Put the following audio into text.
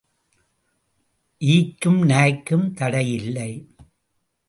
ஈக்கும் நாய்க்கும் தடை இல்லை.